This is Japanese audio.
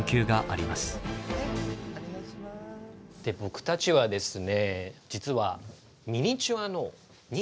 僕たちはですね